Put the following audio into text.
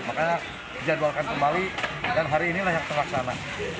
makanya dijadwalkan kembali dan hari inilah yang terlaksana